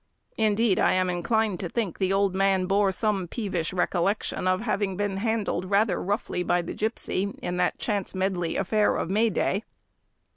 Indeed I am inclined to think the old man bore some peevish recollection of having been handled rather roughly by the gipsy in the chance medley affair of May day.